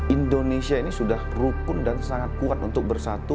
indonesia ini sudah rukun dan sangat kuat untuk bersatu